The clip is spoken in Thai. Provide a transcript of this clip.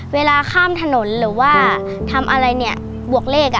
เวลาข้ามถนนหรือว่าทำอะไรเนี่ยบวกเลข